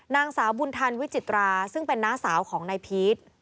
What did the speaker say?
นางสาวบุญธันวิจิตราซึ่งเป็นน้าสาวของนายพีช